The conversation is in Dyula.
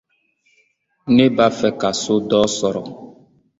N b'a fɛ ka so dɔ sɔrɔ.